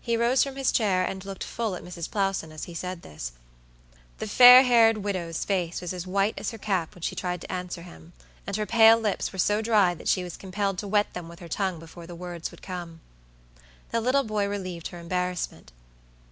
He rose from his chair, and looked full at Mrs. Plowson as he said this. The fair haired widow's face was as white as her cap when she tried to answer him, and her pale lips were so dry that she was compelled to wet them with her tongue before the words would come. The little boy relieved her embarrassment.